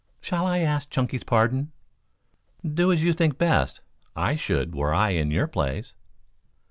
Shall I ask Chunky's pardon?" "Do as you think best. I should, were I in your place."